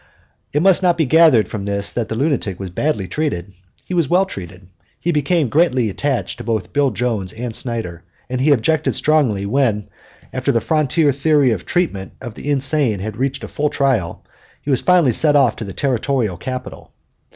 It must not be gathered from this that the lunatic was badly treated. He was well treated. He become greatly attached to both Bill Jones and Snyder, and he objected strongly when, after the frontier theory of treatment of the insane had received a full trial, he was finally sent off to the territorial capital.